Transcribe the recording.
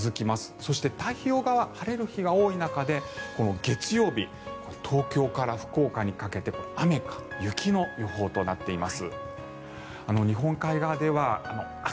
そして太平洋側晴れる日が多い中で月曜日、東京から福岡にかけて雨か雪の予報となっています。